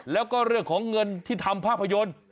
แล้วก็เรื่องของเงินที่ทำภาพยนตร์